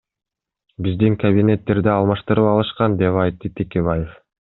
Биздин кабинеттерди алмаштырып алышкан, — деп айтты Текебаев.